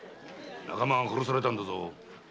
仲間が殺されたんだぞ。